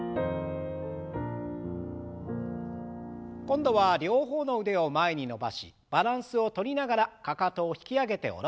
今度は両方の腕を前に伸ばしバランスをとりながらかかとを引き上げて下ろす運動。